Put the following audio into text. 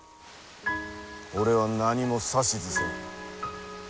俺は何も指図せん。